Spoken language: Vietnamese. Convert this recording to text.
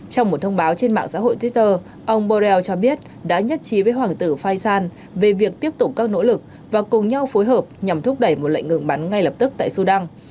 trong một thông báo trên mạng xã hội twitter ông borrell cho biết đã nhất trí với hoàng tử faisan về việc tiếp tục các nỗ lực và cùng nhau phối hợp nhằm thúc đẩy một lệnh ngừng bắn ngay lập tức tại sudan